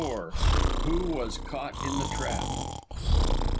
WHO WAS CAUGHT IN THE TRAP.